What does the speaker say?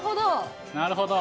なるほど。